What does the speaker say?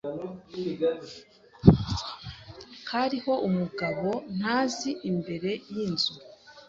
Hariho umugabo ntazi imbere yinzu.